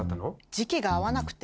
時期が合わなくて。